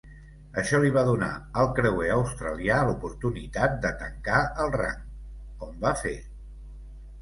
Això li va donar al creuer australià l'oportunitat de tancar el rang, com va fer.